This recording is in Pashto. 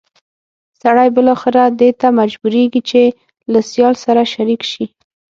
سړی بالاخره دې ته مجبورېږي چې له سیال سره شریک شي.